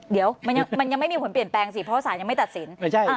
เดี๋ยวมันยังไม่มีผลเปลี่ยนแปลงสิเพราะสารยังไม่ตัดสิน